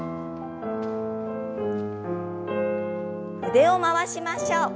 腕を回しましょう。